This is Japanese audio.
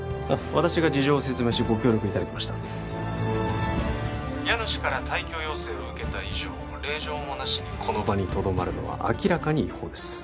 私が事情を説明しご協力いただきました家主から退去要請をうけた以上令状もなしにこの場にとどまるのは明らかに違法です